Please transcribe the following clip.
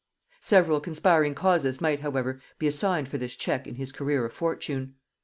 Several conspiring causes might however be assigned for this check in his career of fortune.